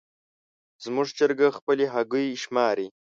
زموږ چرګه خپلې هګۍ شماري.